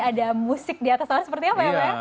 ada musik diatas awan seperti apa ya pak